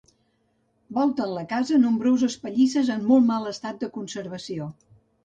Volten la casa nombroses pallisses en molt mal estat de conservació.